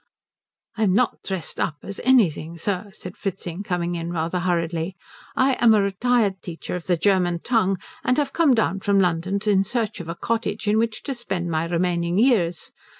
"I am not dressed up as anything, sir," said Fritzing coming in rather hurriedly. "I am a retired teacher of the German tongue, and have come down from London in search of a cottage in which to spend my remaining years.